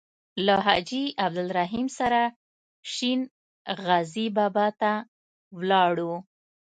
له حاجي عبدالرحیم سره شین غزي بابا ته ولاړو.